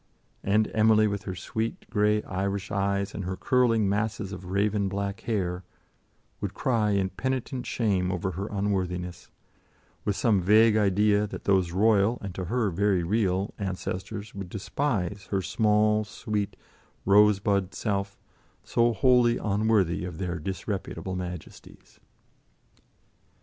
And Emily, with her sweet grey Irish eyes and her curling masses of raven black hair, would cry in penitent shame over her unworthiness, with some vague idea that those royal, and to her very real, ancestors would despise her small, sweet, rosebud self, so wholly unworthy of their disreputable majesties.